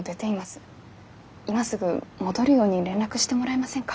今すぐ戻るように連絡してもらえませんか？